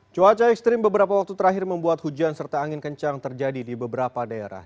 cuaca ekstrim beberapa waktu terakhir membuat hujan serta angin kencang terjadi di beberapa daerah